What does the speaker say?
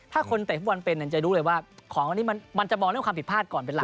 ถ้าคนเตะฟุตบอลเป็นจะรู้เลยว่าของอันนี้มันจะมองเรื่องความผิดพลาดก่อนเป็นไร